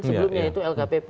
sebelumnya itu lkpp